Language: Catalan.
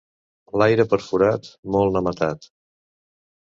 L'aire per forat, molt n'ha matat.